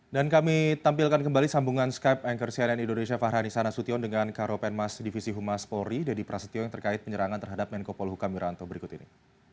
dan kami tampilkan kembali sambungan skype anchor cnn indonesia fahra nisana sution dengan karo penmas divisi humas polri dedy prasetyo yang terkait penyerangan terhadap menko polhukam miranto berikut ini